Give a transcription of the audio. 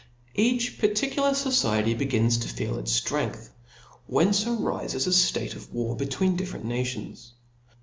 Each particular fociety begins to feel its ftrength, whence arifes a ftate of war betwixt different nations.